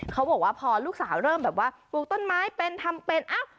เขาบอกว่าพอลูกสาวเริ่มแบบว่าปลูกต้นไม้เป็นทำเป็นเอ้า